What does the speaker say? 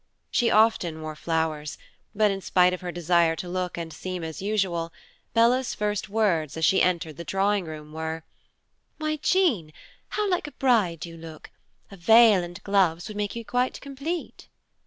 She often wore flowers, but in spite of her desire to look and seem as usual, Bella's first words as she entered the drawing room were "Why, Jean, how like a bride you look; a veil and gloves would make you quite complete!"